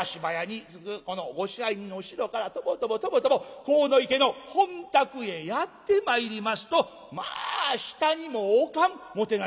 足早にすぐこのご支配人の後ろからとぼとぼとぼとぼ鴻池の本宅へやって参りますとまあ下にも置かんもてなしようでございまして。